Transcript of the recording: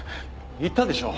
言ったでしょう。